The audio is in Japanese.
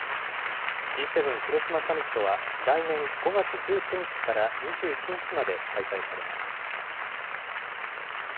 Ｇ７広島サミットは来年５月１９日から２１日まで開催されます。